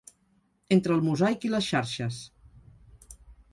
Entre el mosaic i les xarxes.